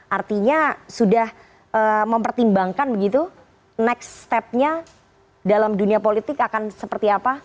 artinya sudah mempertimbangkan begitu next step nya dalam dunia politik akan seperti apa